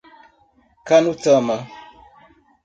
Canutama